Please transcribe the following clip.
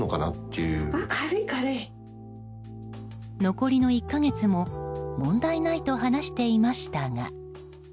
残りの１か月も問題ないと話していましたが。